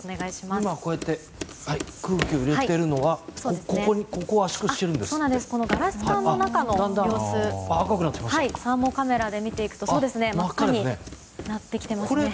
今、こうやって空気を入れているのはガラス管の様子をサーモカメラで見ていくと真っ赤になってきていますね。